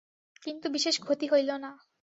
কিন্তু বিশেষ ক্ষতি হইল না।